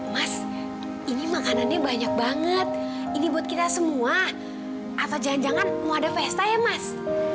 mas ini makanannya banyak banget ini buat kita semua atau jangan jangan mau ada pesta ya mas